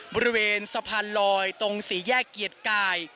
บริเวณสะพานลอยตรงสี่แยกเกียรติกาย